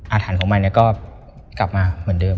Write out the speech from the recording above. ถันของมันก็กลับมาเหมือนเดิม